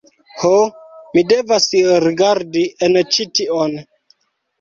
Ho, mi devas rigardi en ĉi tion